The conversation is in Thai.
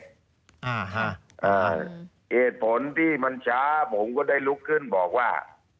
เหตุผลที่มันช้าผมก็ได้ลุกขึ้นบอกว่า